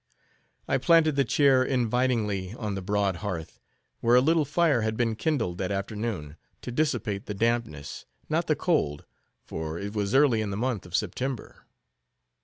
I planted the chair invitingly on the broad hearth, where a little fire had been kindled that afternoon to dissipate the dampness, not the cold; for it was early in the month of September.